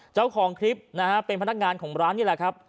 เจ้าของคลิปนะฮะเป็นพนักงานของร้านนี่แหละครับ